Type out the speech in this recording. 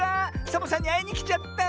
サボさんにあいにきちゃった！